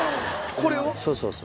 これを？